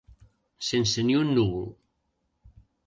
Sense ni un núvol.